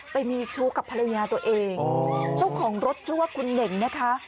ไปมีชู้กับภรรยาตัวเองเจ้าของรถชื่อว่าคุณเหน่งนะคะ